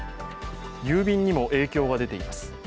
郵便にも影響が出ています。